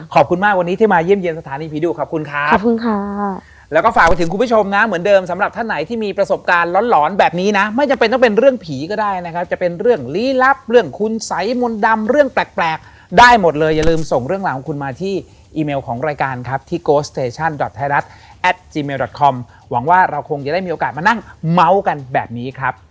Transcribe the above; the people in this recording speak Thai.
ขอบคุณมากว่าวันนี้ที่มาเยี่ยมเยี่ยมสถานีพิดูก